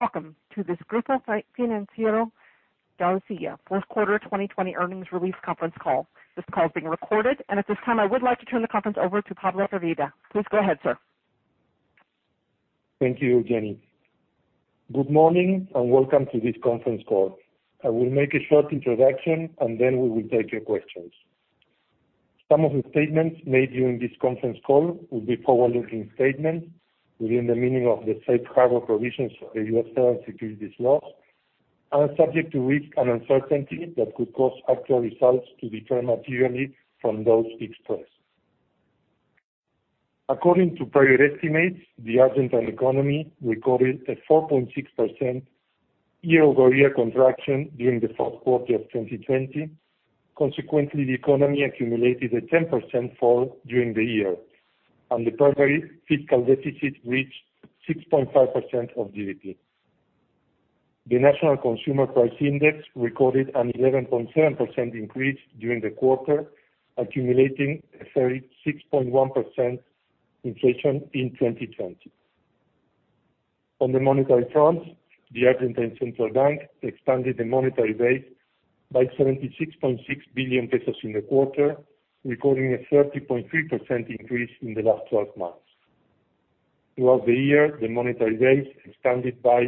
Welcome to this Grupo Financiero Galicia fourth quarter 2020 earnings release conference call. This call is being recorded, and at this time, I would like to turn the conference over to Pablo Firvida. Please go ahead, sir. Thank you, Jenny. Good morning, and welcome to this conference call. I will make a short introduction, and then we will take your questions. Some of the statements made during this conference call will be forward-looking statements within the meaning of the safe harbor provisions of the U.S. security laws and are subject to risk and uncertainty that could cause actual results to differ materially from those expressed. According to private estimates, the Argentine economy recorded a 4.6% year-over-year contraction during the fourth quarter of 2020. Consequently, the economy accumulated a 10% fall during the year, and the primary fiscal deficit reached 6.5% of GDP. The National Consumer Price Index recorded an 11.7% increase during the quarter, accumulating a 36.1% inflation in 2020. On the monetary front, the Argentine Central Bank expanded the monetary base by 76.6 billion pesos in the quarter, recording a 30.3% increase in the last 12 months. Throughout the year, the monetary base expanded by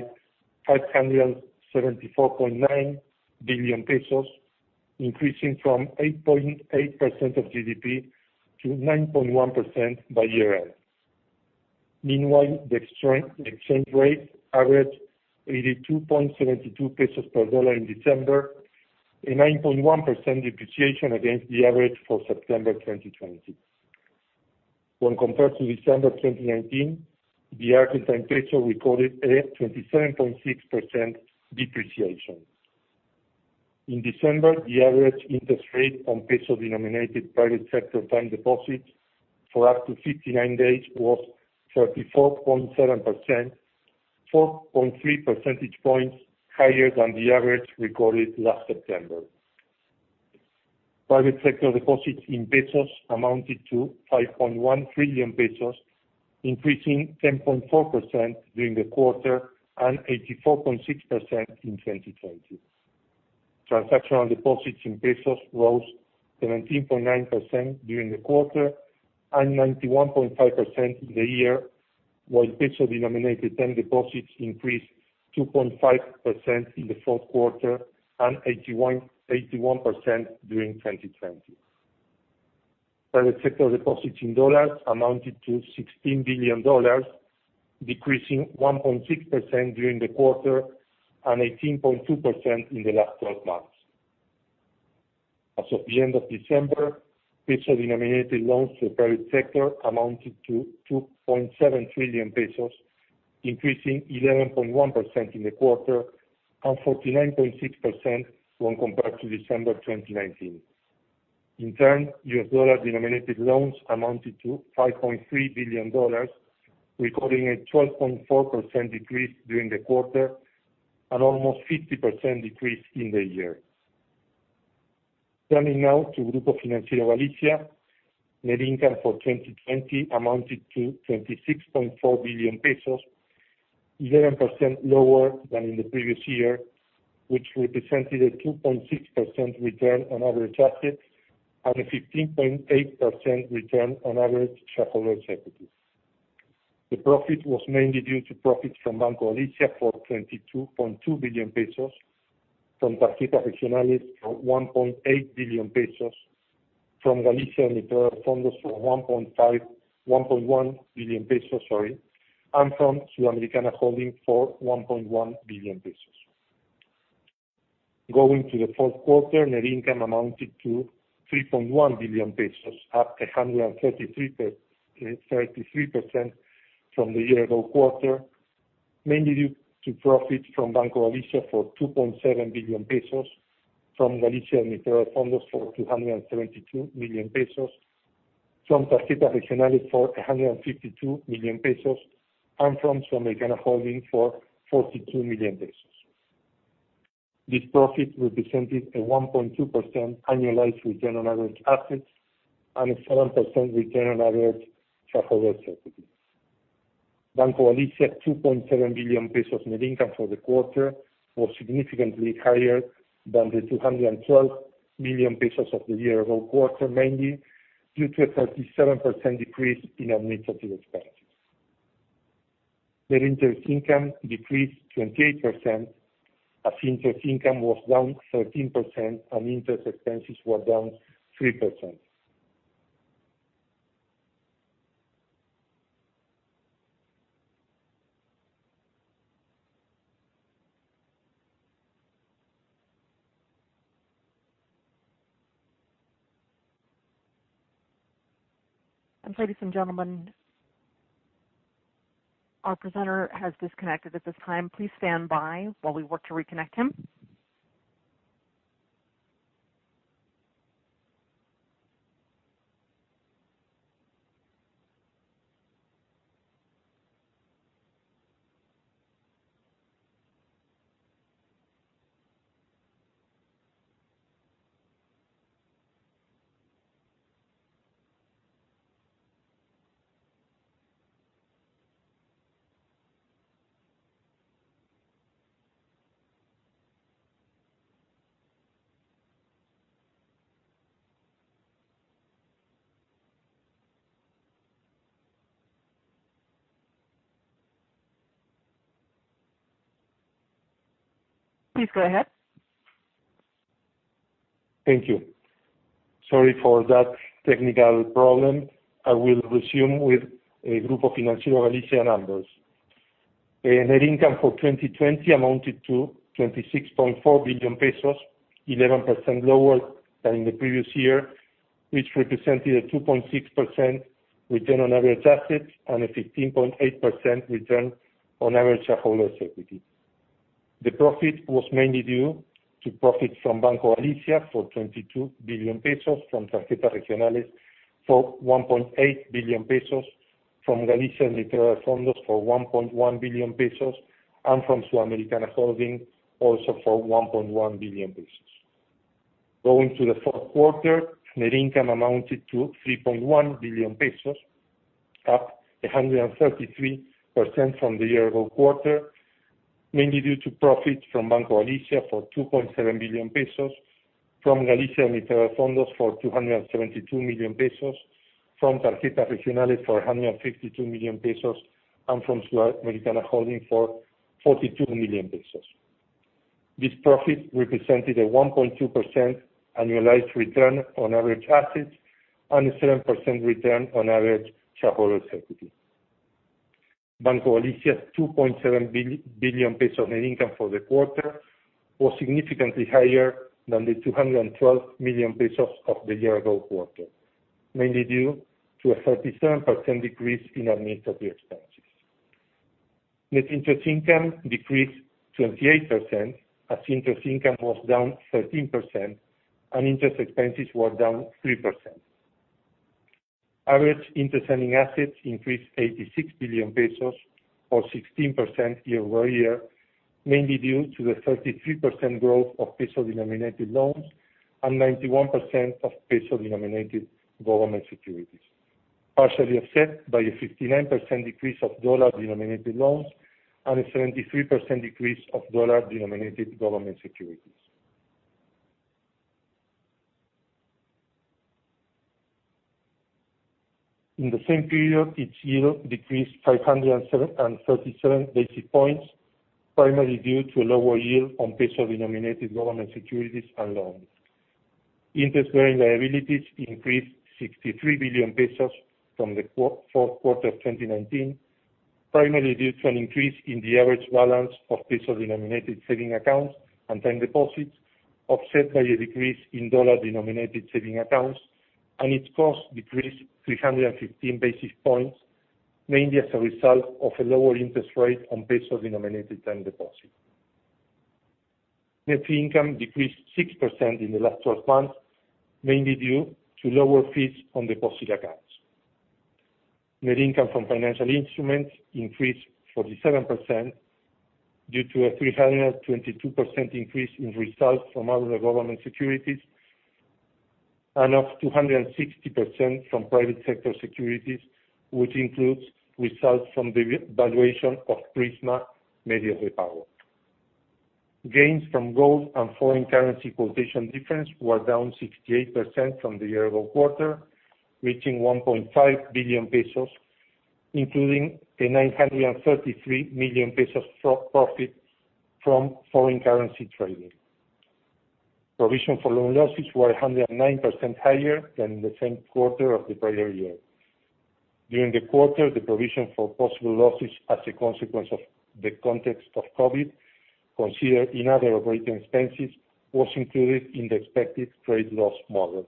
574.9 billion pesos, increasing from 8.8% of GDP to 9.1% by year-end. Meanwhile, the exchange rate averaged 82.72 pesos per USD in December, a 9.1% depreciation against the average for September 2020. When compared to December 2019, the Argentine peso recorded a 27.6% depreciation. In December, the average interest rate on ARS-denominated private sector time deposits for up to 59 days was 34.7%, 4.3 percentage points higher than the average recorded last September. Private sector deposits in ARS amounted to 5.1 trillion pesos, increasing 10.4% during the quarter and 84.6% in 2020. Transactional deposits in ARS rose 17.9% during the quarter and 91.5% in the year, while ARS-denominated term deposits increased 2.5% in the fourth quarter and 81% during 2020. Private sector deposits in USD amounted to $16 billion, decreasing 1.6% during the quarter and 18.2% in the last twelve months. As of the end of December, ARS-denominated loans to the private sector amounted to 2.7 trillion pesos, increasing 11.1% in the quarter and 49.6% when compared to December 2019. In turn, USD-denominated loans amounted to $5.3 billion, recording a 12.4% decrease during the quarter and almost 50% decrease in the year. Turning now to Grupo Financiero Galicia, net income for 2020 amounted to 26.4 billion pesos, 11% lower than in the previous year, which represented a 2.6% return on average assets and a 15.8% return on average shareholder equity. The profit was mainly due to profits from Banco Galicia for 22.2 billion pesos, from Tarjetas Regionales for 1.8 billion pesos, from Galicia Administradora de Fondos for 1.1 billion pesos, and from Sudamericana Holding for 1.1 billion pesos. Going to the fourth quarter, net income amounted to 3.1 billion pesos, up 133% from the year-ago quarter, mainly due to profits from Banco Galicia for 2.7 billion pesos, from Galicia Administradora de Fondos for 272 million pesos, from Tarjetas Regionales for 152 million pesos, and from Sudamericana Holding for 42 million pesos. This profit represented a 1.2% annualized return on average assets and a 7% return on average shareholder equity. Banco Galicia 2.7 billion pesos net income for the quarter was significantly higher than the 212 million pesos of the year-ago quarter, mainly due to a 37% decrease in administrative expenses. Net interest income decreased 28%, as interest income was down 13% and interest expenses were down 3%. Ladies and gentlemen, our presenter has disconnected at this time. Please stand by while we work to reconnect him. Please go ahead. Thank you. Sorry for that technical problem. I will resume with Grupo Financiero Galicia numbers. Net income for 2020 amounted to 26.4 billion pesos, 11% lower than the previous year, which represented a 2.6% return on average assets and a 15.8% return on average shareholder equity. The profit was mainly due to profits from Banco Galicia for 22 billion pesos, from Tarjetas Regionales for 1.8 billion pesos, from Galicia Administradora de Fondos for 1.1 billion pesos, and from Sudamericana Holding also for 1.1 billion pesos. Going to the fourth quarter, net income amounted to 3.1 billion pesos, up 133% from the year-ago quarter, mainly due to profits from Banco Galicia for 2.7 billion pesos, from Galicia Administradora de Fondos for 272 million pesos, from Tarjetas Regionales for 152 million pesos, and from Sudamericana Holding for 42 million pesos. This profit represented a 1.2% annualized return on average assets and a 7% return on average shareholder equity. Banco Galicia's 2.7 billion pesos net income for the quarter was significantly higher than the 212 million pesos of the year-ago quarter, mainly due to a 37% decrease in administrative expenses. Net interest income decreased 28%, as interest income was down 13% and interest expenses were down 3%. Average interest earning assets increased 86 billion pesos, or 16% year-over-year, mainly due to the 33% growth of ARS-denominated loans and 91% of ARS-denominated government securities, partially offset by a 59% decrease of dollar-denominated loans and a 73% decrease of dollar-denominated government securities. In the same period each year, decreased 537 basis points, primarily due to a lower yield on ARS-denominated government securities and loans. Interest-bearing liabilities increased 63 billion pesos from the fourth quarter of 2019, primarily due to an increase in the average balance of peso-denominated saving accounts and time deposits, offset by a decrease in dollar-denominated saving accounts, and its cost decreased 315 basis points, mainly as a result of a lower interest rate on peso-denominated time deposits. Net fee income decreased 6% in the last 12 months, mainly due to lower fees on deposit accounts. Net income from financial instruments increased 47% due to a 322% increase in results from other government securities, and of 260% from private sector securities, which includes results from the valuation of Prisma Medios de Pago. Gains from gold and foreign currency quotation difference were down 68% from the year-ago quarter, reaching 1.5 billion pesos, including a 933 million pesos profit from foreign currency trading. Provision for loan losses were 109% higher than the same quarter of the prior year. During the quarter, the provision for possible losses as a consequence of the context of COVID, considered in other operating expenses, was included in the expected credit loss model.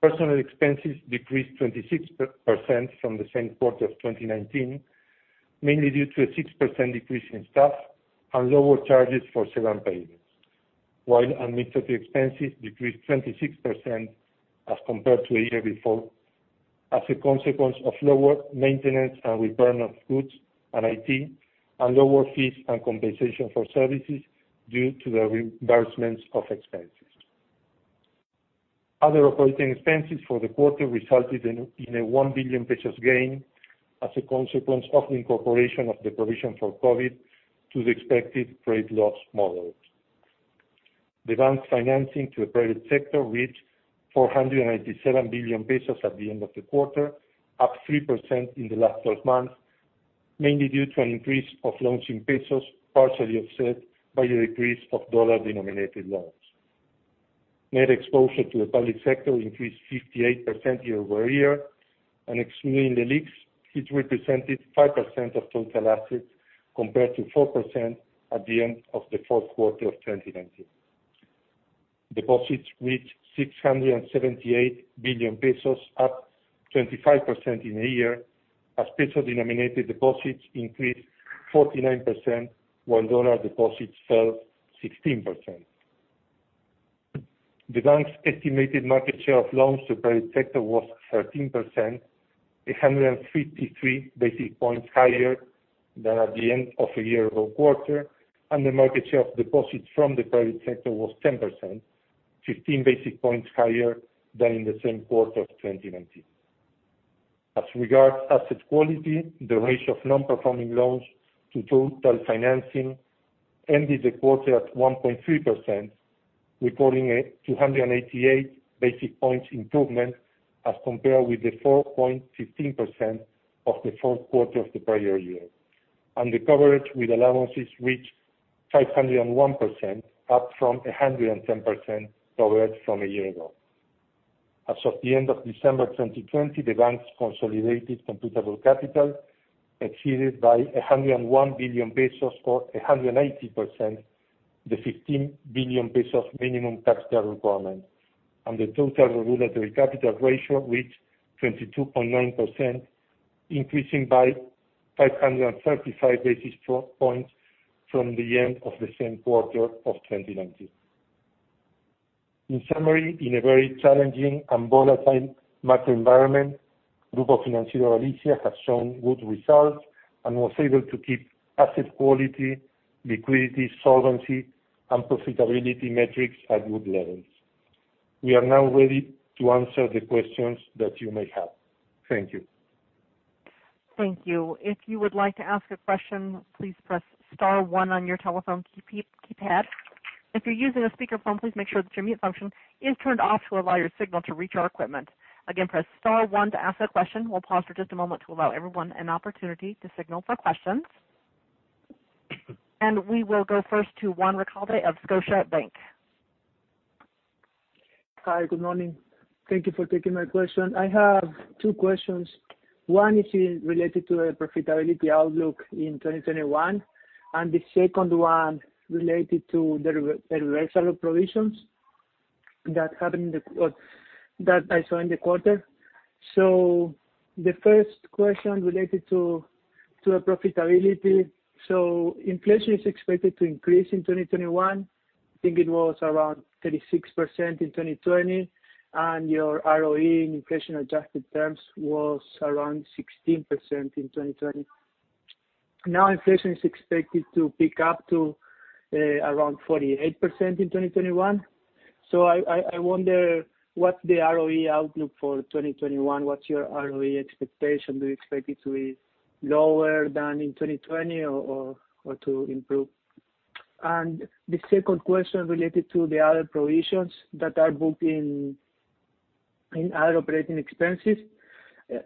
Personnel expenses decreased 26% from the same quarter of 2019, mainly due to a 6% decrease in staff and lower charges for severance payments, while administrative expenses decreased 26% as compared to a year before, as a consequence of lower maintenance and repair of goods and IT, and lower fees and compensation for services due to the reimbursements of expenses. Other operating expenses for the quarter resulted in an 1 billion pesos gain as a consequence of the incorporation of the provision for COVID to the expected credit loss model. The bank's financing to the private sector reached 497 billion pesos at the end of the quarter, up 3% in the last 12 months, mainly due to an increase of loans in pesos, partially offset by a decrease of dollar-denominated loans. Net exposure to the public sector increased 58% year-over-year, and excluding the LELIQs, it represented 5% of total assets compared to 4% at the end of the fourth quarter of 2019. Deposits reached 678 billion pesos, up 25% in a year, as peso-denominated deposits increased 49%, while dollar deposits fell 16%. The bank's estimated market share of loans to the private sector was 13%, 153 basis points higher than at the end of the year-ago quarter, and the market share of deposits from the private sector was 10%, 15 basis points higher than in the same quarter of 2019. As regards asset quality, the ratio of non-performing loans to total financing ended the quarter at 1.3%, recording a 288 basis points improvement as compared with the 4.15% of the fourth quarter of the prior year. The coverage with allowances reached 501%, up from 110% covered from a year ago. As of the end of December 2020, the bank's consolidated computable capital exceeded by 101 billion pesos, or 180%, the 15 billion pesos minimum capital requirement, and the total regulatory capital ratio reached 22.9%, increasing by 535 basis points from the end of the same quarter of 2019. In summary, in a very challenging and volatile macro environment, Grupo Financiero Galicia has shown good results and was able to keep asset quality, liquidity, solvency, and profitability metrics at good levels. We are now ready to answer the questions that you may have. Thank you. Thank you. If you would like to ask a question, please press star one on your telephone keypad. If you're using a speakerphone, please make sure that your mute function is turned off to allow your signal to reach our equipment. Again, press star one to ask a question. We will pause for just a moment to allow everyone an opportunity to signal for questions. We will go first to Juan Recalde of Scotiabank. Hi. Good morning. Thank you for taking my question. I have two questions. One is related to the profitability outlook in 2021, and the second one related to the reversal of provisions that I saw in the quarter. The first question related to the profitability. Inflation is expected to increase in 2021. I think it was around 36% in 2020, and your ROE in inflation-adjusted terms was around 16% in 2020. Now inflation is expected to pick up to around 48% in 2021. I wonder, what's the ROE outlook for 2021? What's your ROE expectation? Do you expect it to be lower than in 2020 or to improve? And the second question related to the other provisions that are booked in other operating expenses.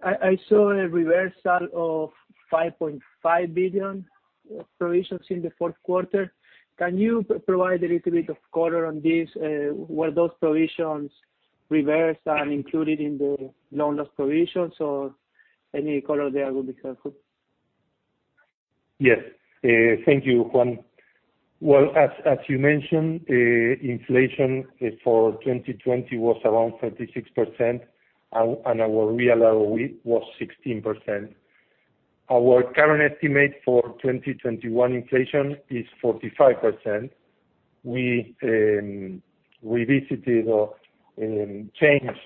I saw a reversal of 5.5 billion provisions in the fourth quarter. Can you provide a little bit of color on this? Were those provisions reversed and included in the loan loss provisions, or any color there will be helpful? Yes. Thank you, Juan. Well, as you mentioned, inflation for 2020 was around 36%, and our real ROE was 16%. Our current estimate for 2021 inflation is 45%. We visited or changed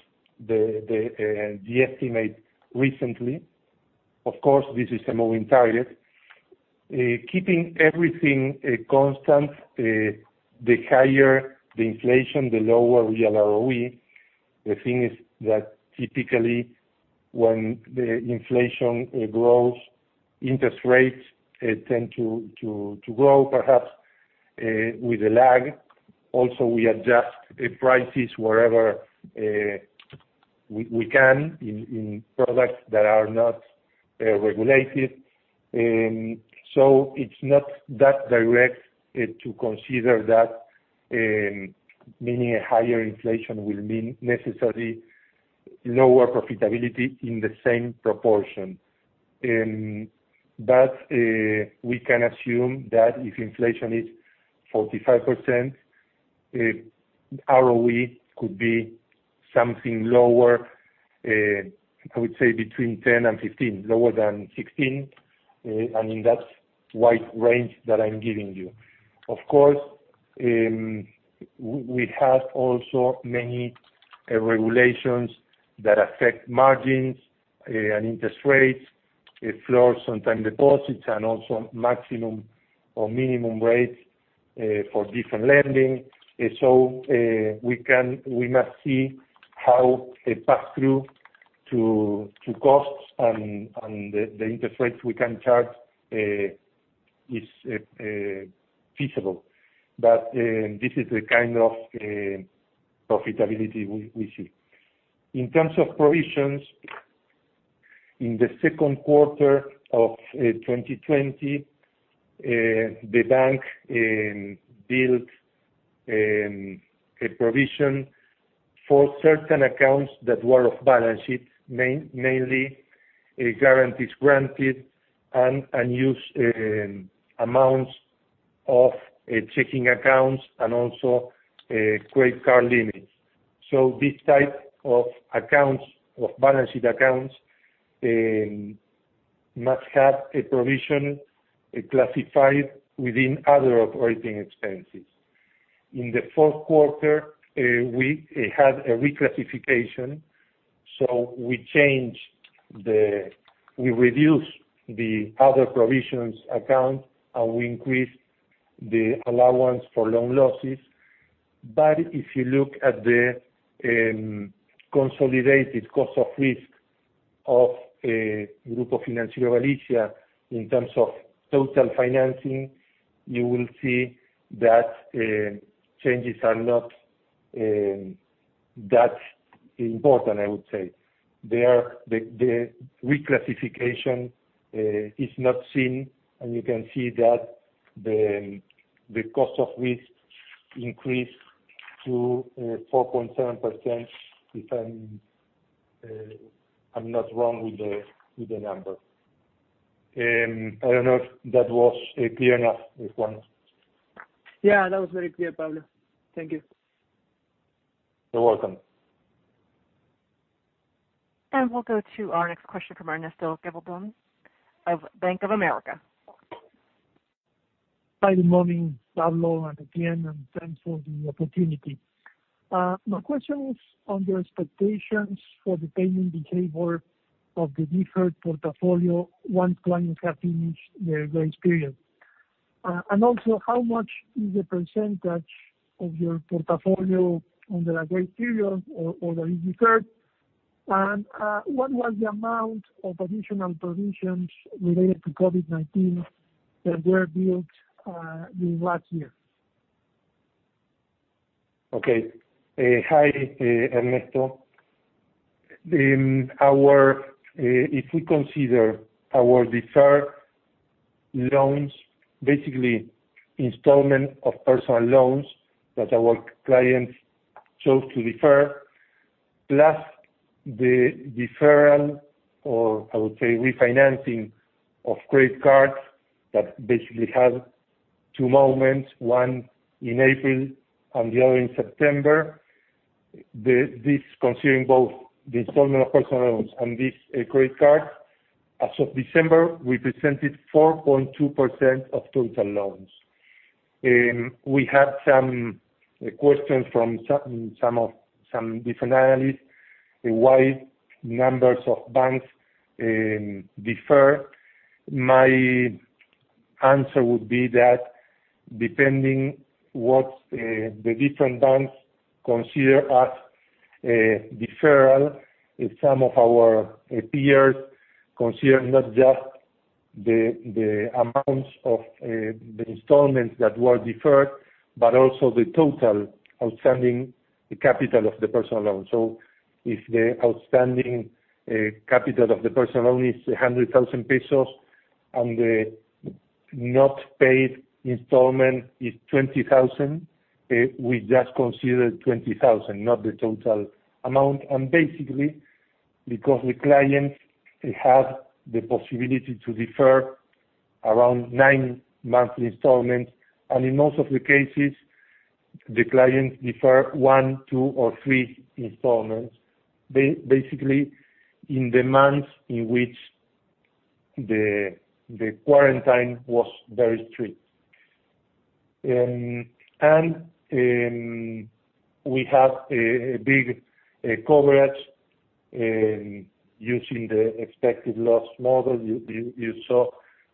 the estimate recently. Of course, this is a moving target. Keeping everything constant, the higher the inflation, the lower real ROE. The thing is that typically, when the inflation grows, interest rates tend to grow, perhaps with a lag. We adjust prices wherever we can in products that are not regulated. It's not that direct to consider that meaning a higher inflation will mean necessary lower profitability in the same proportion. We can assume that if inflation is 45%, ROE could be something lower, I would say between 10% and 15%, lower than 16%. I mean, that's a wide range that I'm giving you. We have also many regulations that affect margins and interest rates, floor on time deposits, and also maximum or minimum rates for different lending. We must see how a pass-through to costs and the interest rates we can charge is feasible. This is the kind of profitability we see. In terms of provisions, in the second quarter of 2020, the bank built a provision for certain accounts that were off balance sheet, mainly guarantees granted and unused amounts of checking accounts and also credit card limits. This type of balance sheet accounts must have a provision classified within other operating expenses. In the fourth quarter, we had a reclassification. We reduce the other provisions account, and we increase the allowance for loan losses. If you look at the consolidated cost of risk of Grupo Financiero Galicia in terms of total financing, you will see that changes are not that important, I would say. The reclassification is not seen, and you can see that the cost of risk increased to 4.7%, if I'm not wrong with the numbers. I don't know if that was clear enough, Juan. Yeah, that was very clear, Pablo. Thank you. You're welcome. We'll go to our next question from Ernesto Gabilondo of Bank of America. Hi, good morning, Pablo, and again, thanks for the opportunity. My question is on your expectations for the payment behavior of the deferred portfolio once clients have finished their grace period. Also, how much is the percentage of your portfolio under a grace period or that is deferred? What was the amount of additional provisions related to COVID-19 that were built during last year? Okay. Hi, Ernesto. If we consider our deferred loans, basically installment of personal loans that our clients chose to defer, plus the deferral, or I would say refinancing of credit cards, that basically has two moments, one in April and the other in September. This considering both the installment of personal loans and this credit card. As of December, represented 4.2% of total loans. We had some questions from some different analysts why numbers of banks defer. My answer would be that depending what the different banks consider as deferral, if some of our peers consider not just the amounts of the installments that were deferred, but also the total outstanding capital of the personal loan. If the outstanding capital of the personal loan is 100,000 pesos, and the not paid installment is 20,000, we just consider 20,000, not the total amount. Basically, because the clients have the possibility to defer around nine monthly installments, and in most of the cases, the clients defer one, two, or three installments. Basically, in the months in which the quarantine was very strict. We have a big coverage, using the expected loss model. You saw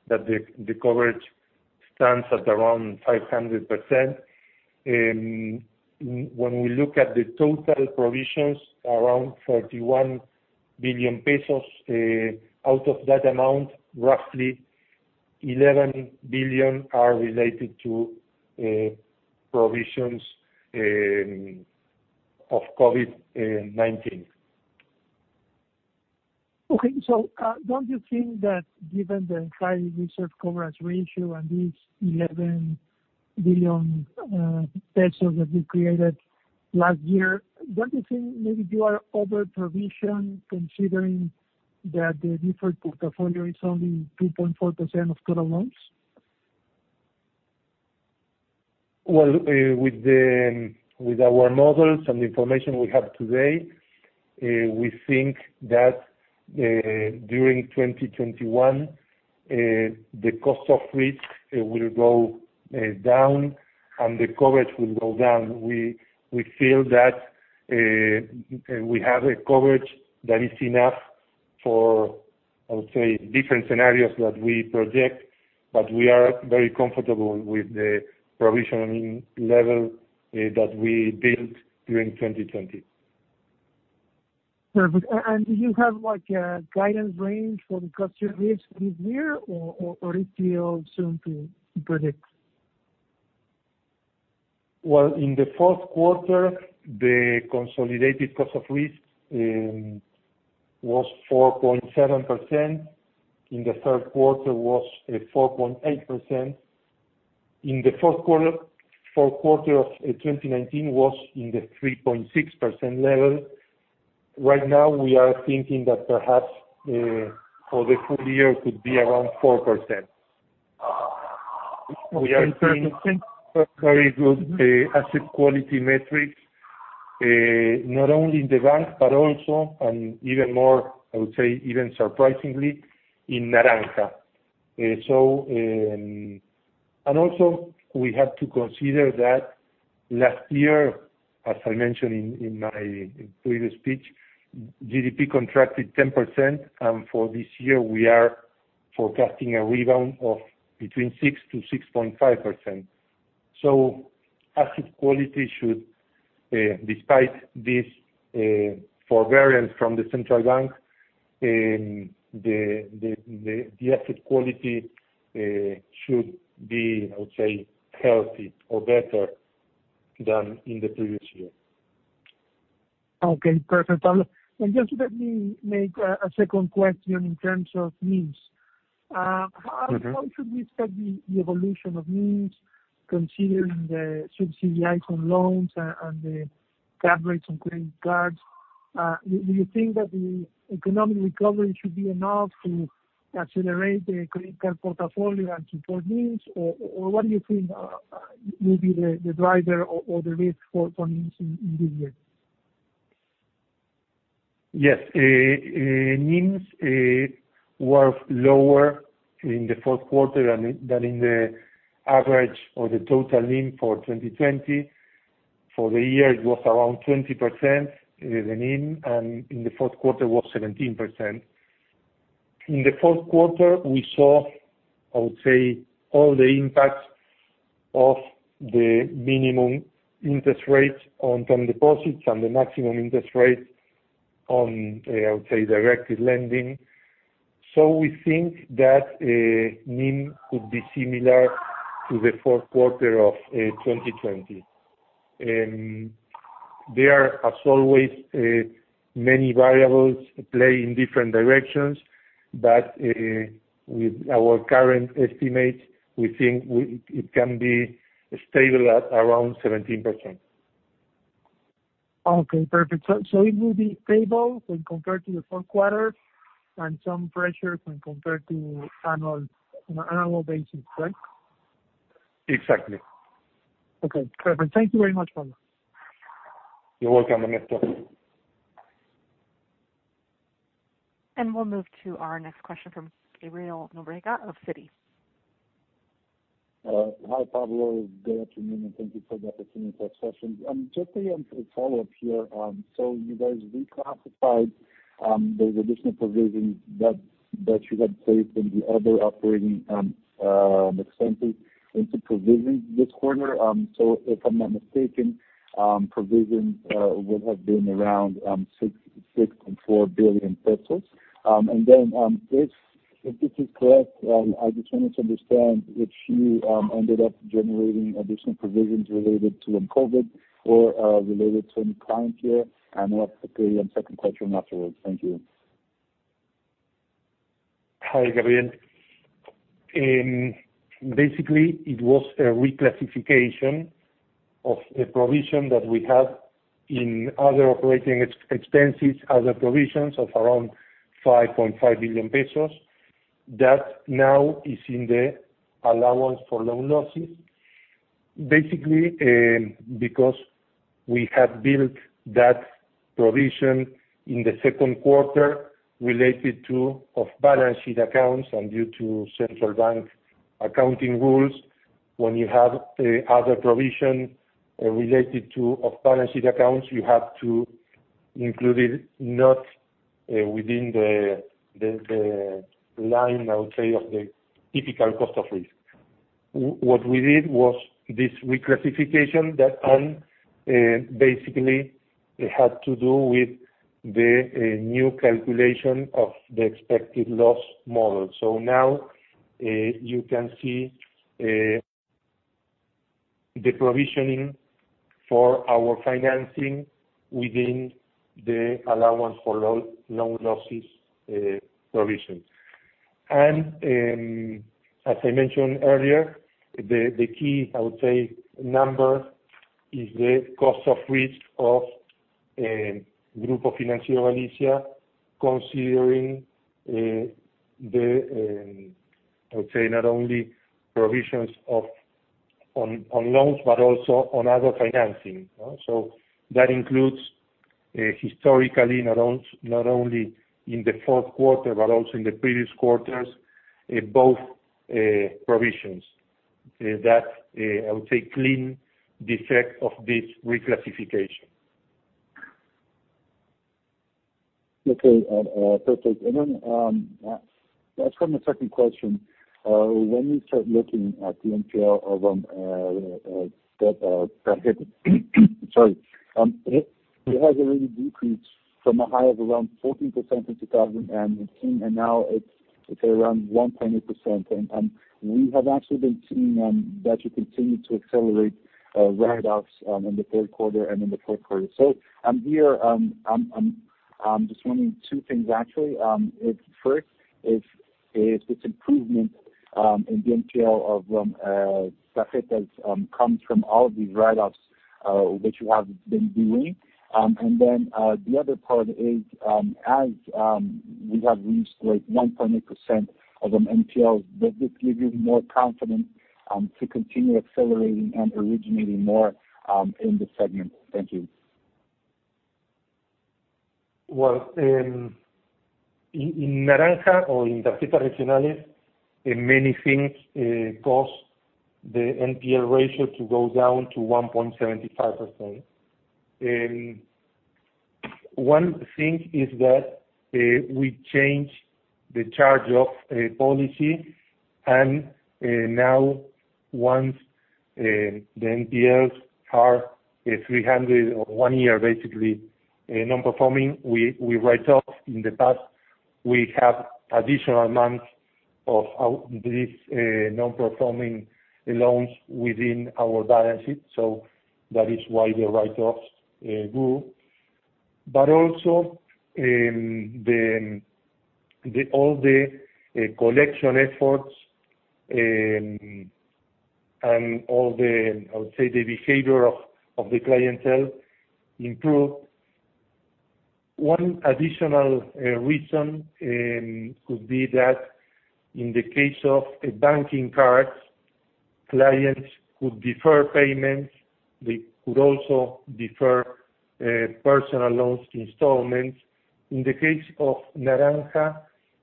that the coverage stands at around 500%. When we look at the total provisions, around 31 billion pesos. Out of that amount, roughly 11 billion are related to provisions of COVID-19. Okay. Don't you think that given the high reserve coverage ratio and this 11 billion pesos that you created last year, don't you think maybe you are over-provision, considering that the deferred portfolio is only 2.4% of total loans? With our models and the information we have today, we think that during 2021, the cost of risk will go down and the coverage will go down. We feel that we have a coverage that is enough for, I would say, different scenarios that we project, but we are very comfortable with the provisioning level that we built during 2020. Perfect. Do you have a guidance range for the cost of risk this year or it's still soon to predict? In the fourth quarter, the consolidated cost of risk was 4.7%. In the third quarter, was 4.8%. In the fourth quarter of 2019, was in the 3.6% level. Right now, we are thinking that perhaps for the full year could be around 4%. We are seeing very good asset quality metrics, not only in the bank but also, and even more, I would say, even surprisingly, in Naranja. We have to consider that last year, as I mentioned in my previous speech, GDP contracted 10%, and for this year, we are forecasting a rebound of between 6% and 6.5%. Asset quality should, despite this forbearance from the central bank, the asset quality should be, I would say, healthy or better than in the previous year. Okay, perfect, Pablo. Just let me make a second question in terms of NIMs. How should we expect the evolution of NIMs, considering the subsidies on loans and the cut rates on credit cards? Do you think that the economic recovery should be enough to accelerate the credit card portfolio and support NIMs? What do you think will be the driver or the risk for NIMs in this year? Yes. NIMs were lower in the fourth quarter than in the average or the total NIM for 2020. For the year, it was around 20%, the NIM, and in the fourth quarter was 17%. In the fourth quarter, we saw, I would say, all the impact of the minimum interest rates on term deposits and the maximum interest rates on, I would say, directed lending. We think that NIM could be similar to the fourth quarter of 2020. There are, as always, many variables play in different directions, but with our current estimates, we think it can be stable at around 17%. Okay, perfect. It will be stable when compared to the fourth quarter and some pressure when compared to annual basis, correct? Exactly. Okay, perfect. Thank you very much, Pablo. You're welcome, Ernesto. We'll move to our next question from Gabriel Nóbrega of Citi. Hi, Pablo. Good afternoon. Thank you for the opportunity for this session. Just a follow-up here. You guys reclassified those additional provisions that you had placed in the other operating expenses into provisions this quarter. If I'm not mistaken, provisions would have been around 6.4 billion pesos. If this is correct, I just wanted to understand if you ended up generating additional provisions related to COVID or related to any client here. I have a second question afterward. Thank you. Hi, Gabriel. Basically, it was a reclassification of a provision that we had in other operating expenses, other provisions of around 5.5 billion pesos. That now is in the allowance for loan losses. Basically, because we had built that provision in the second quarter related to off-balance sheet accounts and due to Central Bank accounting rules, when you have other provision related to off-balance sheet accounts, you have to include it not within the line, I would say, of the typical cost of risk. What we did was this reclassification that basically had to do with the new calculation of the expected loss model. Now, you can see the provisioning for our financing within the allowance for loan losses provisions. As I mentioned earlier, the key, I would say, number is the cost of risk of Grupo Financiero Galicia, considering the, I would say, not only provisions on loans, but also on other financing. That includes historically, not only in the fourth quarter, but also in the previous quarters, both provisions. That, I would say, clean the effect of this reclassification. Okay, perfect. Let's go on the second question. When we start looking at the NPL of Naranja X, sorry it has already decreased from a high of around 14% in 2018, and now it's around 1.8%. We have actually been seeing that you continue to accelerate write-offs in the third quarter and in the fourth quarter. Here, just wondering two things, actually. First, if this improvement in the NPL of Naranja X comes from all these write-offs, which you have been doing. The other part is, as we have reached 1.8% of NPL, does this give you more confidence to continue accelerating and originating more in the segment? Thank you. Well, in Naranja or in Tarjetas Regionales, many things caused the NPL ratio to go down to 1.75%. One thing is that we changed the charge-off policy. Now once the NPLs are 300 or one year, basically, non-performing, we write off. In the past, we have additional months of these non-performing loans within our balance sheet. That is why the write-offs grew. Also, all the collection efforts and all the, I would say, the behavior of the clientele improved. One additional reason could be that in the case of banking cards, clients could defer payments. They could also defer personal loans installments. In the case of Naranja,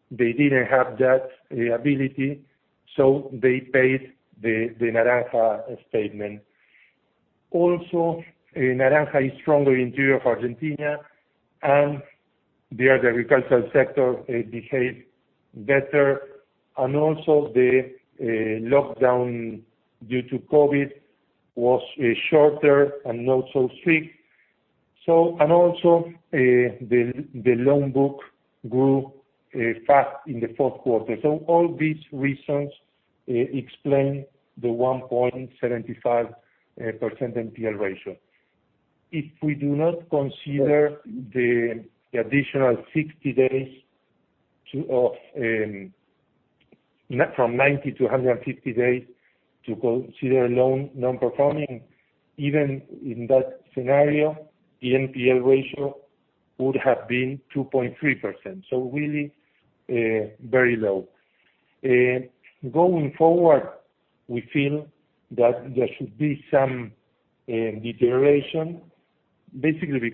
they didn't have that ability. They paid the Naranja statement. Also, Naranja is stronger interior of Argentina. There the agricultural sector behaved better. Also, the lockdown due to COVID was shorter and not so strict. Also, the loan book grew fast in the fourth quarter. All these reasons explain the 1.75% NPL ratio. If we do not consider the additional 60 days from 90 to 150 days to consider a loan non-performing, even in that scenario, the NPL ratio would have been 2.3%, so really very low, going forward we feel some figuration basically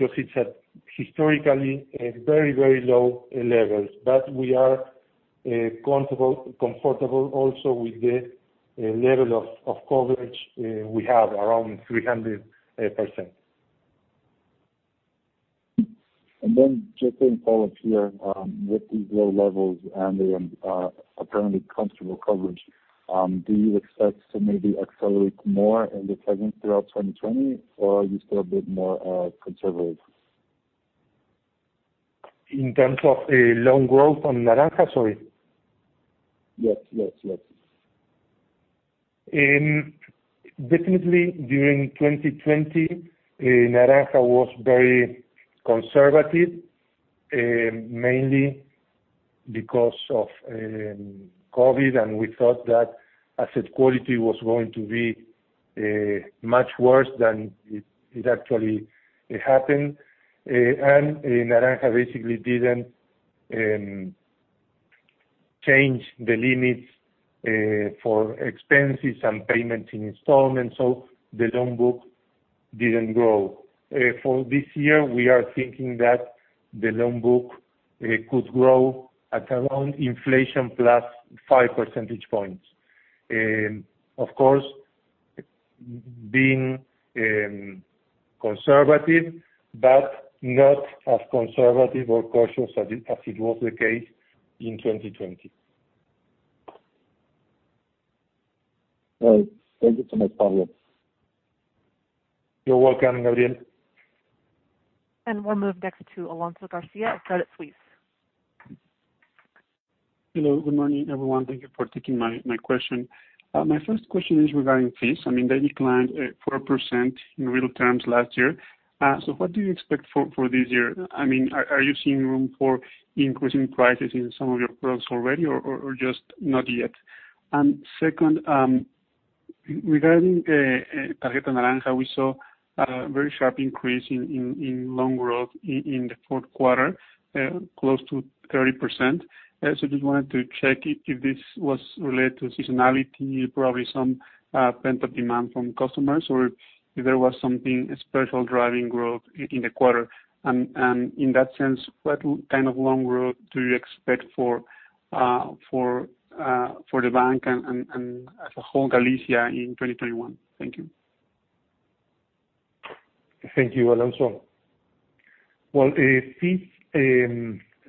historically very low. We are comfortable also with the level of coverage we have around 300%. Just to follow up here, with these low levels and the apparently comfortable coverage, do you expect to maybe accelerate more in the segment throughout 2020, or are you still a bit more conservative? In terms of loan growth on Naranja X? Sorry. Yes. Definitely during 2020, Naranja was very conservative, mainly because of COVID. We thought that asset quality was going to be much worse than it actually happened. Naranja basically didn't change the limits for expenses and payment installments, so the loan book didn't grow. For this year, we are thinking that the loan book could grow at around inflation plus five percentage points. Of course, being conservative, but not as conservative or cautious as it was the case in 2020. All right. Thank you so much, Pablo. You're welcome, Gabriel. We'll move next to Alonso Garcia at Credit Suisse. Hello. Good morning, everyone. Thank you for taking my question. My first question is regarding fees. They declined 4% in real terms last year. What do you expect for this year? Are you seeing room for increasing prices in some of your products already or just not yet? Second, regarding Tarjeta Naranja, we saw a very sharp increase in loan growth in the fourth quarter, close to 30%. Just wanted to check if this was related to seasonality, probably some pent-up demand from customers, or if there was something special driving growth in the quarter. In that sense, what kind of loan growth do you expect for the bank and as a whole Galicia in 2021? Thank you. Thank you, Alonso. Well, fees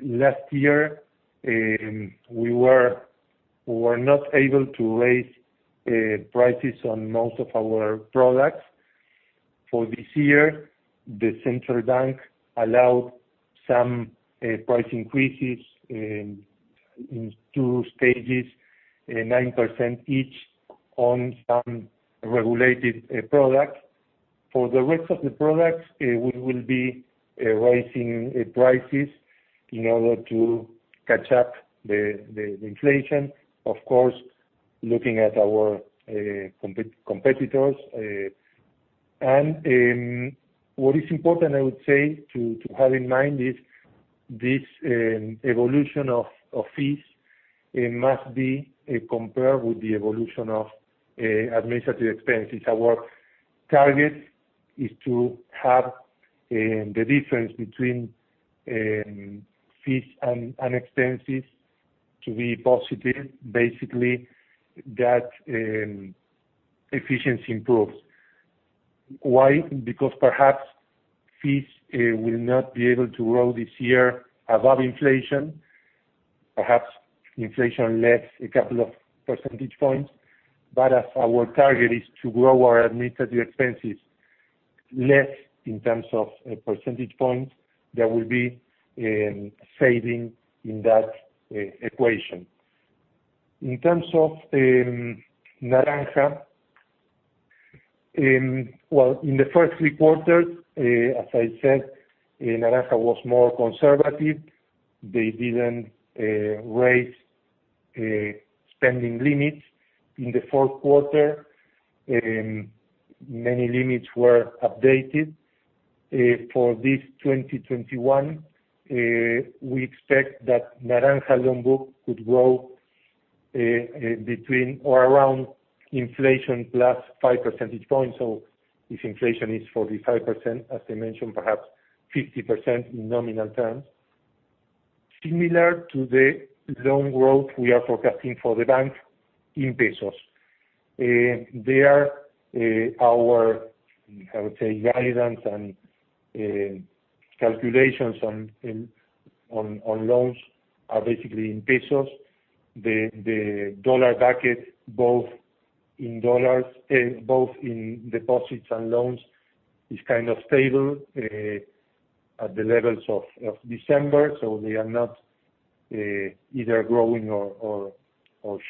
last year, we were not able to raise prices on most of our products. This year, the Central Bank allowed some price increases in two stages, 9% each on some regulated products. The rest of the products, we will be raising prices in order to catch up the inflation. Of course, looking at our competitors. What is important, I would say, to have in mind is this evolution of fees. It must be compared with the evolution of administrative expenses. Our target is to have the difference between fees and expenses to be positive, basically that efficiency improves. Why? Because perhaps fees will not be able to grow this year above inflation. Perhaps inflation less a couple of percentage points. As our target is to grow our administrative expenses less in terms of percentage points, there will be saving in that equation. In terms of Naranja, in the first three quarters, as I said, Naranja was more conservative. They didn't raise spending limits. In the fourth quarter, many limits were updated. For this 2021, we expect that Naranja loan book could grow between or around inflation plus five percentage points. If inflation is 45%, as I mentioned, perhaps 50% in nominal terms. Similar to the loan growth we are forecasting for the bank in pesos. There, our, I would say, guidance and calculations on loans are basically in pesos. The USD bracket, both in deposits and loans, is kind of stable at the levels of December. They are not either growing or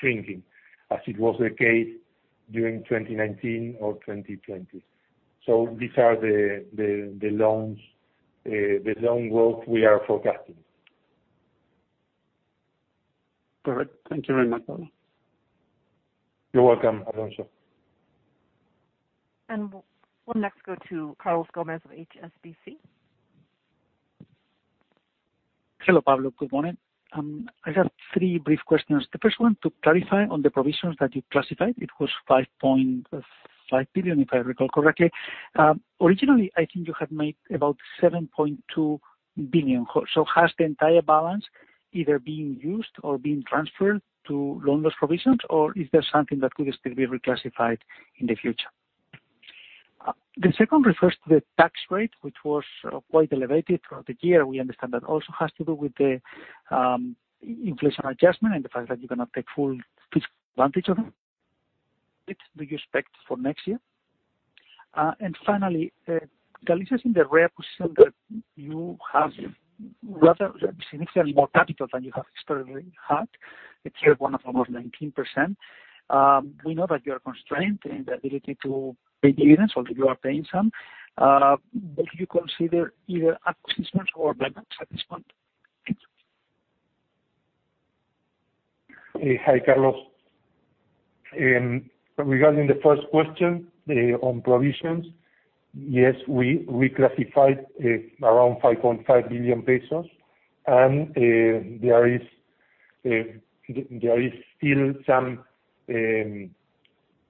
shrinking as it was the case during 2019 or 2020. These are the loans growth we are forecasting. Perfect. Thank you very much, Pablo. You're welcome, Alonso. We'll next go to Carlos Gomez of HSBC. Hello, Pablo. Good morning. I have three brief questions. The first one to clarify on the provisions that you classified, it was 5.5 billion, if I recall correctly. Originally, I think you had made about 7.2 billion. Has the entire balance either been used or been transferred to loan loss provisions, or is there something that could still be reclassified in the future? The second refers to the tax rate, which was quite elevated throughout the year. We understand that also has to do with the inflation adjustment and the fact that you cannot take full advantage of it. Do you expect for next year? Finally, Galicia is in the rare position that you have rather significantly more capital than you have historically had. A Tier 1 of almost 19%. We know that you are constrained in the ability to pay dividends, although you are paying some. Would you consider either acquisitions or buybacks at this point? Thanks. Hi, Carlos. Regarding the first question on provisions, yes, we classified around 5.5 billion pesos, and there is still some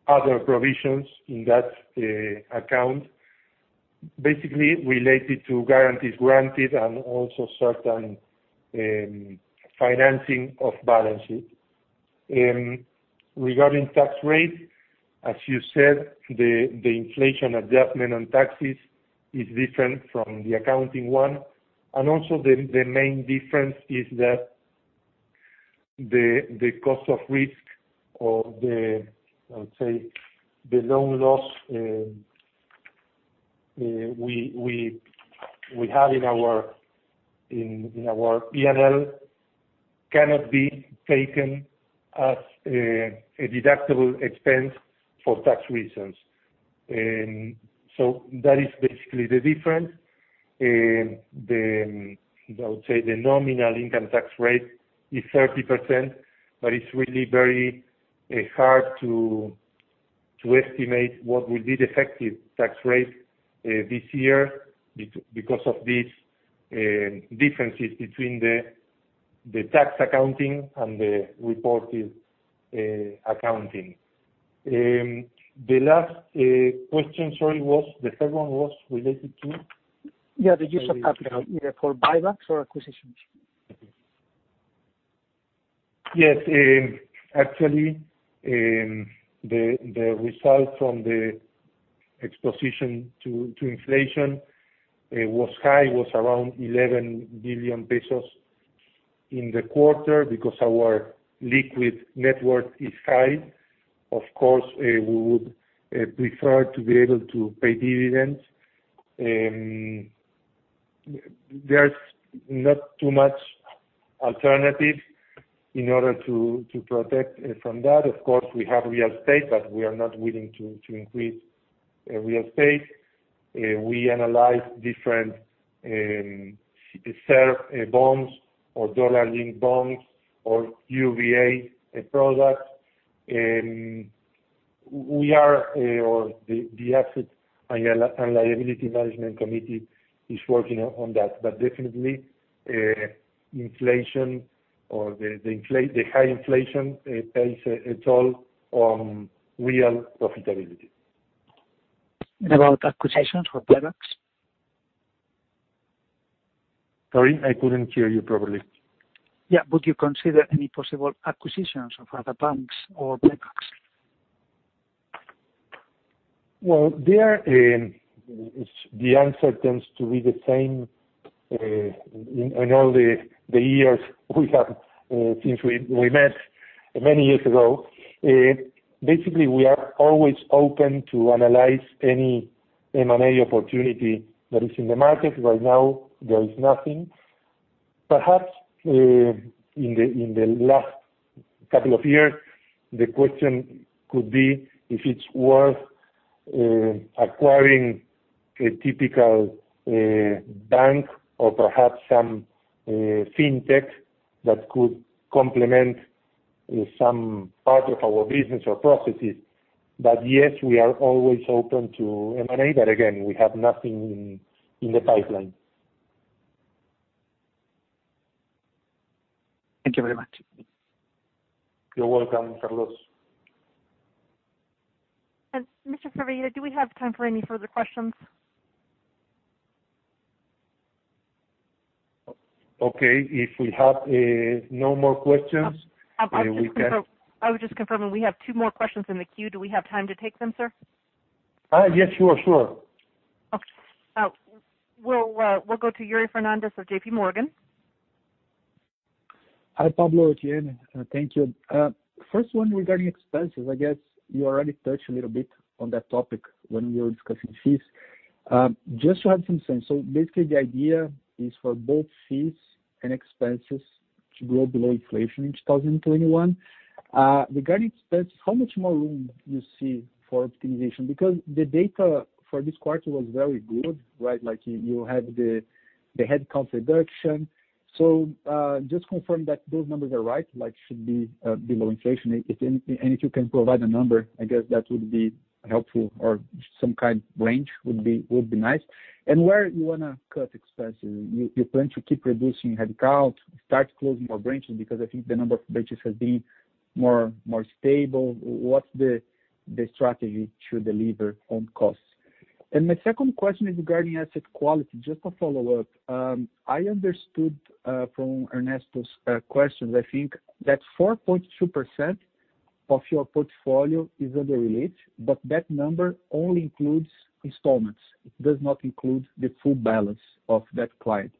other provisions in that account, basically related to guarantees granted and also certain financing of balance sheet. Regarding tax rate, as you said, the inflation adjustment on taxes is different from the accounting one. Also the main difference is that the cost of risk or the, I would say, the loan loss we have in our P&L cannot be taken as a deductible expense for tax reasons. That is basically the difference. I would say the nominal income tax rate is 30%, but it's really very hard to estimate what will be the effective tax rate this year because of these differences between the tax accounting and the reported accounting. The last question, sorry, the third one was related to? Yeah, the use of capital, either for buybacks or acquisitions. Actually, the result from the exposure to inflation was high, was around 11 billion pesos in the quarter because our liquid net worth is high. Of course, we would prefer to be able to pay dividends. There's not too much alternative in order to protect from that. Of course, we have real estate, we are not willing to increase real estate. We analyze different CER bonds or dollar-linked bonds or UVA products. The asset and liability management committee is working on that. Definitely, the high inflation takes a toll on real profitability. About acquisitions for products? Sorry, I couldn't hear you properly. Yeah. Would you consider any possible acquisitions of other banks or buybacks? Well, the answer tends to be the same in all the years since we met many years ago. Basically, we are always open to analyze any M&A opportunity that is in the market. Right now, there is nothing. Perhaps, in the last couple of years, the question could be if it's worth acquiring a typical bank or perhaps some fintech that could complement some part of our business or processes. Yes, we are always open to M&A. Again, we have nothing in the pipeline. Thank you very much. You're welcome, Carlos. Pablo Firvida, do we have time for any further questions? Okay. If we have no more questions. I was just confirming. We have two more questions in the queue. Do we have time to take them, sir? Yes, sure. Okay. We'll go to Yuri Fernandes of JPMorgan. Hi, Pablo and Etienne Thank you. First one regarding expenses. I guess you already touched a little bit on that topic when we were discussing fees. Just to have some sense, basically the idea is for both fees and expenses to grow below inflation in 2021. Regarding expenses, how much more room do you see for optimization? The data for this quarter was very good, right? Like you had the headcount reduction. Just confirm that those numbers are right, like should be below inflation. If you can provide a number, I guess that would be helpful or some kind of range would be nice. Where you want to cut expenses, you plan to keep reducing headcount, start closing more branches, I think the number of branches has been more stable. What's the strategy to deliver on costs? My second question is regarding asset quality. Just a follow-up. I understood from Ernesto's questions, I think, that 4.2% of your portfolio is under relief, that number only includes installments. It does not include the full balance of that client.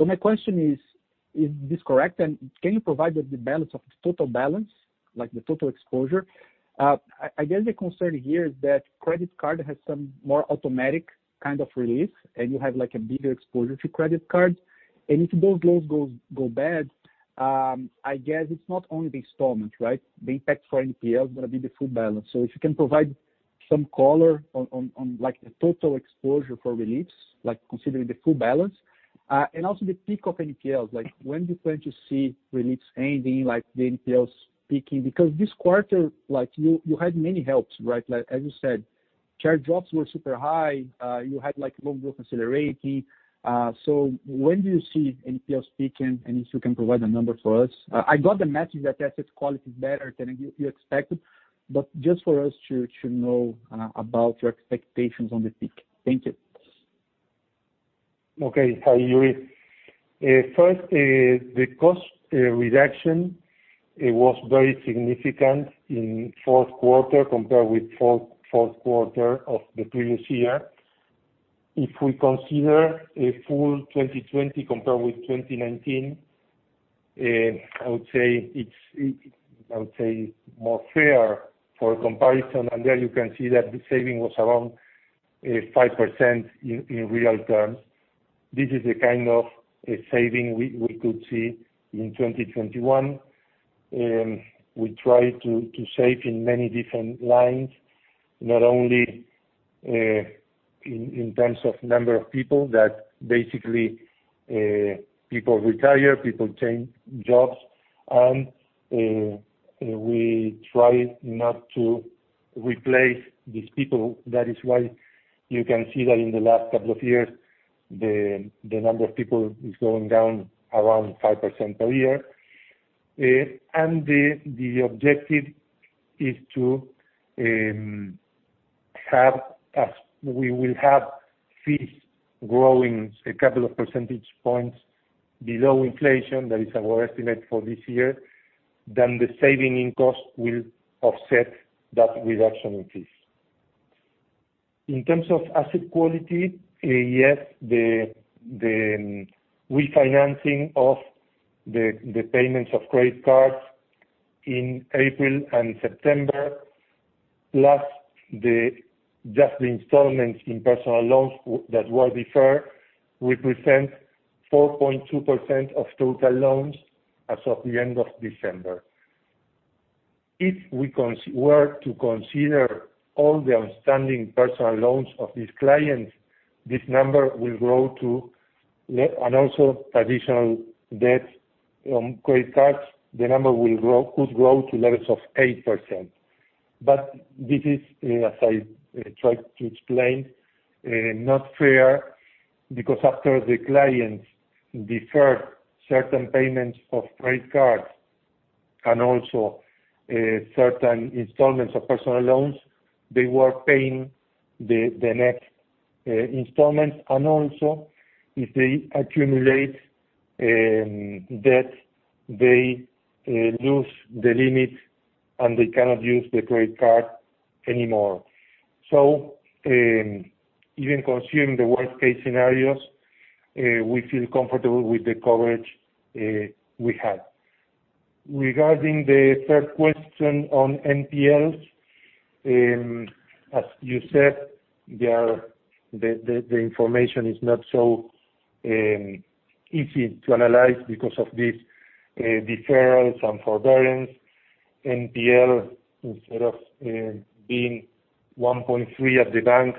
My question is this correct? Can you provide the balance of the total balance, like the total exposure? I guess the concern here is that credit card has some more automatic kind of release, and you have a bigger exposure to credit card. If those loans go bad, I guess it's not only the installment, right? The impact for NPL is going to be the full balance. If you can provide some color on the total exposure for reliefs, considering the full balance. Also the peak of NPLs, when do you plan to see reliefs ending, like the NPLs peaking? This quarter, you had many helps, right? As you said, charge-offs were super high. You had loan growth accelerating. When do you see NPLs peaking? If you can provide a number for us. I got the message that asset quality is better than you expected, but just for us to know about your expectations on the peak. Thank you. Okay. Hi, Yuri. First, the cost reduction was very significant in Q4 compared with Q4 of the previous year. If we consider a full 2020 compared with 2019, I would say it's more fair for comparison. There you can see that the saving was around 5% in real terms. This is the kind of saving we could see in 2021. We try to save in many different lines, not only in terms of number of people. That basically, people retire, people change jobs, and we try not to replace these people. That is why you can see that in the last couple of years, the number of people is going down around 5% per year. The objective is to have fees growing a couple of percentage points below inflation. That is our estimate for this year. The saving in cost will offset that reduction in fees. In terms of asset quality, yes, the refinancing of the payments of credit cards in April and September, plus just the installments in personal loans that were deferred represent 4.2% of total loans as of the end of December. If we were to consider all the outstanding personal loans of these clients, this number will grow. Traditional debt on credit cards, the number could grow to levels of 8%. This is, as I tried to explain, not fair because after the clients deferred certain payments of credit cards and also certain installments of personal loans, they were paying the next installments. If they accumulate debt, they lose the limit, and they cannot use the credit card anymore. Even considering the worst-case scenarios, we feel comfortable with the coverage we have. Regarding the third question on NPLs, as you said, the information is not so easy to analyze because of these deferrals and forbearance. NPL, instead of being 1.3 at the bank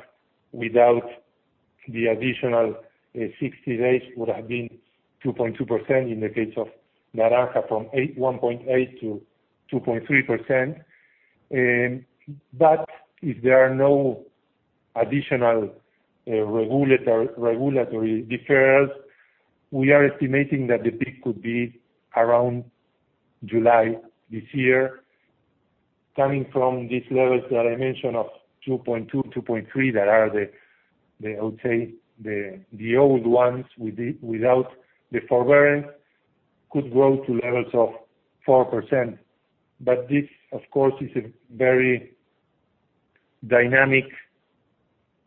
without the additional 60 days, would have been 2.2% in the case of Naranja, from 1.8%-2.3%. If there are no additional regulatory deferrals, we are estimating that the peak could be around July this year. Coming from these levels that I mentioned of 2.2%, 2.3%, that are the, I would say, the old ones without the forbearance could grow to levels of 4%. This, of course, is a very dynamic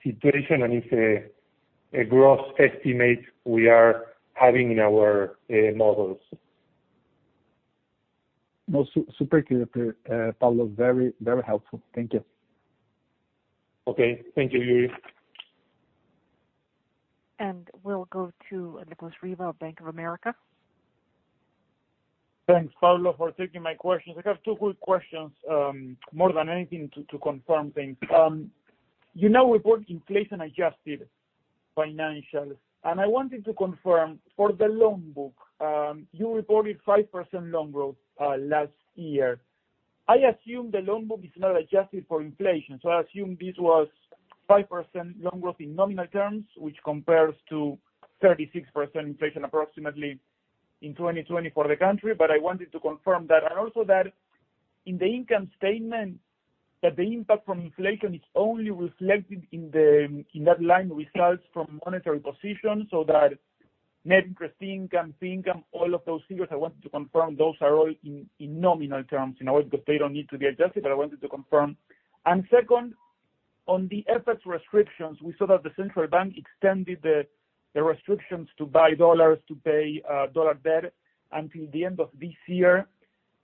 situation and is a gross estimate we are having in our models. No, super clear, Pablo. Very helpful. Thank you. Okay. Thank you, Yuri. We'll go to Nicolas Riva of Bank of America. Thanks, Pablo, for taking my questions. I have two quick questions, more than anything, to confirm things. You now report inflation-adjusted financials, and I wanted to confirm, for the loan book, you reported 5% loan growth last year. I assume the loan book is not adjusted for inflation. I assume this was 5% loan growth in nominal terms, which compares to 36% inflation approximately in 2020 for the country, but I wanted to confirm that. Also that in the income statement, that the impact from inflation is only reflected in that line, results from monetary position, so that net interest income, pre-income, all of those figures, I wanted to confirm those are all in nominal terms. In other words, that they don't need to be adjusted, but I wanted to confirm. Second, on the FX restrictions, we saw that the central bank extended the restrictions to buy dollars to pay dollar debt until the end of this year.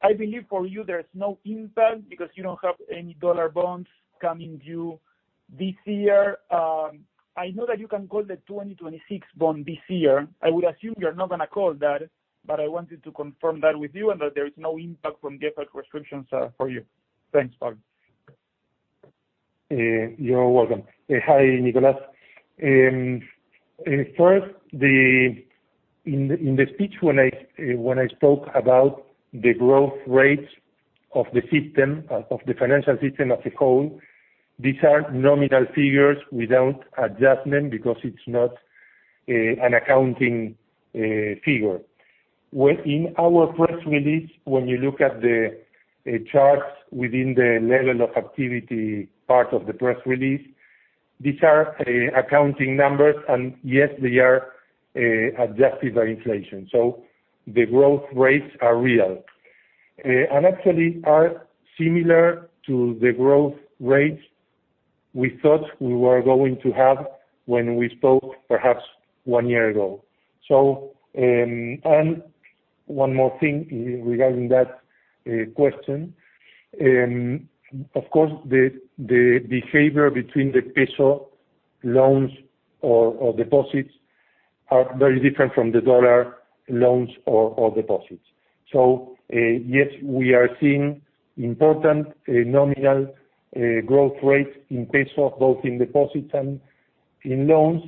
I believe for you, there is no impact because you don't have any dollar bonds coming due this year. I know that you can call the 2026 bond this year. I would assume you're not going to call that, but I wanted to confirm that with you and that there is no impact from the FX restrictions for you. Thanks, Pablo. You're welcome. Hi, Nicolas. First, in the speech when I spoke about the growth rates of the financial system as a whole, these are nominal figures without adjustment because it's not an accounting figure. In our press release, when you look at the charts within the level of activity part of the press release, these are accounting numbers, and yes, they are adjusted by inflation. The growth rates are real. Actually are similar to the growth rates we thought we were going to have when we spoke perhaps one year ago. One more thing regarding that question. Of course, the behavior between the peso loans or deposits are very different from the dollar loans or deposits. Yes, we are seeing important nominal growth rates in peso, both in deposits and in loans.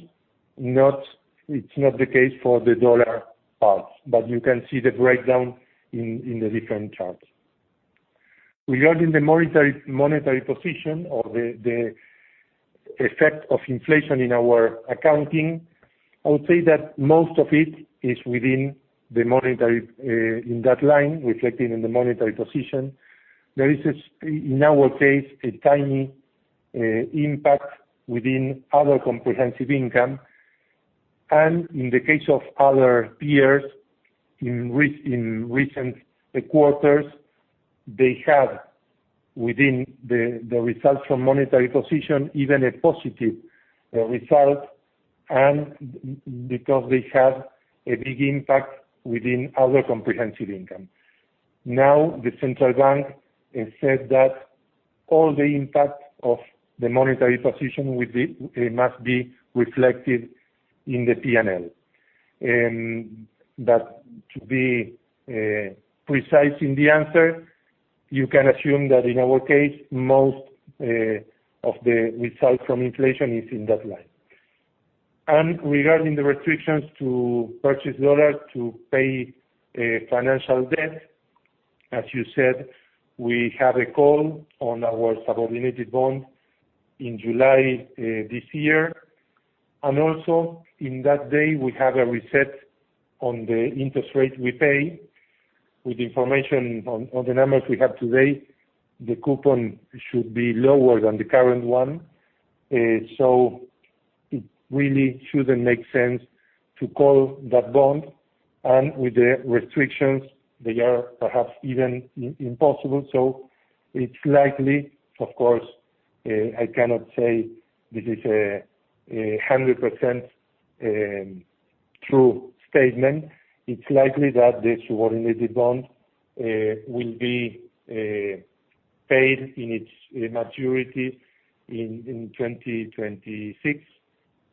It's not the case for the dollar parts. You can see the breakdown in the different charts. Regarding the monetary position or the effect of inflation in our accounting, I would say that most of it is within that line, reflected in the monetary position. There is, in our case, a tiny impact within other comprehensive income. In the case of other peers in recent quarters, they had, within the results from monetary position, even a positive result, and because they had a big impact within other comprehensive income. The Central Bank has said that all the impact of the monetary position must be reflected in the P&L. To be precise in the answer. You can assume that in our case, most of the result from inflation is in that line. Regarding the restrictions to purchase dollars to pay financial debt, as you said, we have a call on our subordinated bond in July this year. Also, in that day, we have a reset on the interest rate we pay. With information on the numbers we have today, the coupon should be lower than the current one. It really shouldn't make sense to call that bond, and with the restrictions, they are perhaps even impossible. It's likely, of course, I cannot say this is 100% true statement. It's likely that the subordinated bond will be paid in its maturity in 2026.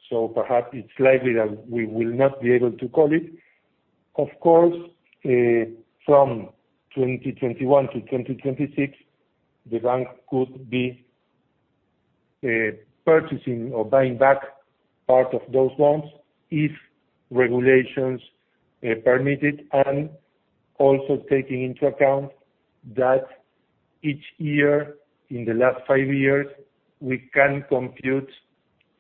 Perhaps it's likely that we will not be able to call it. Of course, from 2021 to 2026, the bank could be purchasing or buying back part of those loans if regulations permit it, and also taking into account that each year in the last five years, we can compute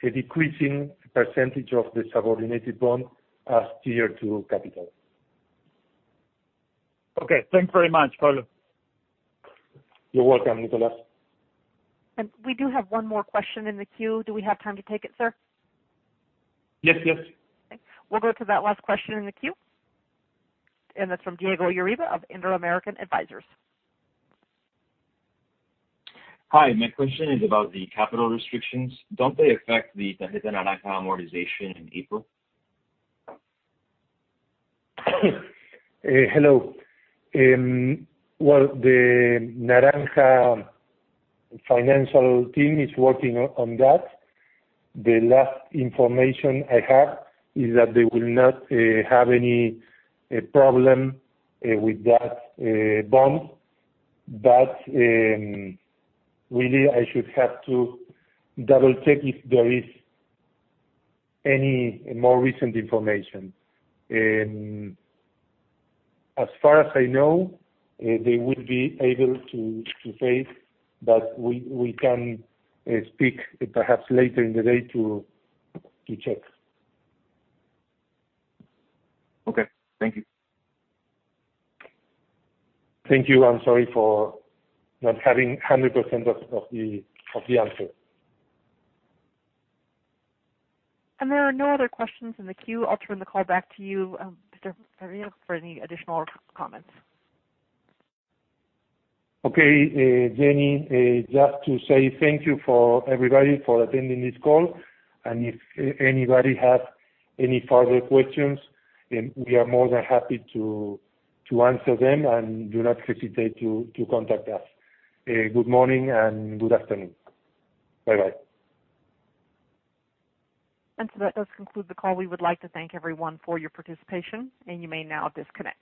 a decreasing percentage of the subordinated bond as Tier 2 capital. Okay. Thanks very much, Pablo. You're welcome, Nicolas. We do have one more question in the queue. Do we have time to take it, sir? Yes. Okay. We'll go to that last question in the queue, and that's from Diego Uribe of Inter-American Advisors. Hi. My question is about the capital restrictions. Don't they affect the Tarjeta Naranja amortization in April? Hello. Well, the Naranja financial team is working on that. The last information I have is that they will not have any problem with that bond. Really, I should have to double-check if there is any more recent information. As far as I know, they will be able to pay, but we can speak perhaps later in the day to check. Okay. Thank you. Thank you. I'm sorry for not having 100% of the answer. There are no other questions in the queue. I'll turn the call back to you, Mr. Firvida, for any additional comments. Okay. Jenny, just to say thank you for everybody for attending this call. If anybody has any further questions, we are more than happy to answer them, and do not hesitate to contact us. Good morning and good afternoon. Bye-bye. That does conclude the call. We would like to thank everyone for your participation, and you may now disconnect.